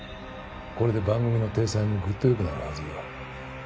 これで番組の体裁もグッと良くなるはずだ。